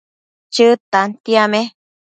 Chëd tantiame